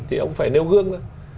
thì ông phải nêu gương